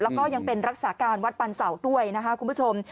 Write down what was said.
แล้วก็ยังเป็นรักษาการวัดปันเสาด้วยนะคะคุณผู้ชม